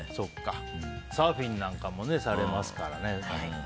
サーフィンもされますからね。